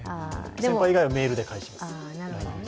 先輩以外はメールで返します。